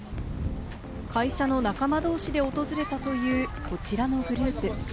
会社の仲間同士で訪れたというこちらのグループ。